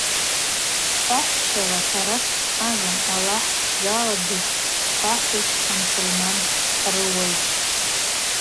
Хӏвахӏвщала сара сгьъазам, Аллахӏ пшдзала дыззхӏвахӏвуаш амсылман хӏрыуайчӏвтӏ.